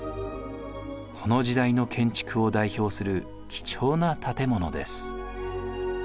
この時代の建築を代表する貴重な建物です。